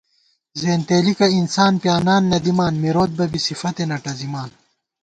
زېنتېلِکہ انسانہ پیانان نہ دِمان مِروت بہ بی سِفَتے نہ ٹَزِتہ